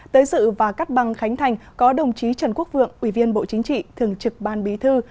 tới dự và cắt băng khánh thành có đồng chí trần quốc vượng ủy viên bộ chính trị thường trực ban bí thư